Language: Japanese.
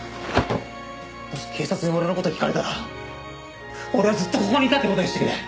もし警察に俺の事聞かれたら俺はずっとここにいたって事にしてくれ。